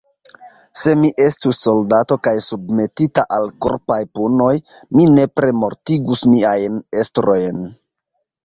Se mi estus soldato kaj submetita al korpaj punoj, mi nepre mortigus miajn estrojn.